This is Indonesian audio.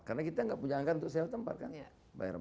karena kita gak punya angka untuk sel tempat kan